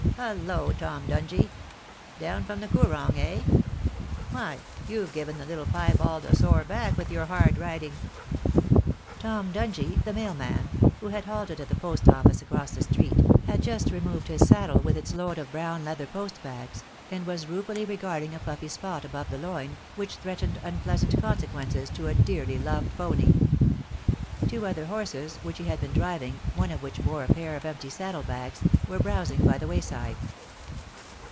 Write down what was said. Hullo, Tom Dungie ! Down from the Koorong, eh ? Why, youVe given the little piebald a sore back w^ith your hard riding.* Tom Dungie, the mail man, who had halted at the post office across the street, had just removed his saddle with its load of brown leather post bags, and was ruefully regarding a puffy spot above the loin, which threatened unpleasant consequences to a dearly loved pony. Two other horses which he had been driving, one of which bore a pair of empty saddle bags, were browsing by the wayside.